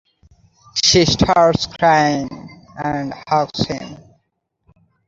She starts crying and hugs him.